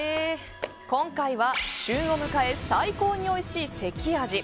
今回は旬を迎え最高においしい関あじ。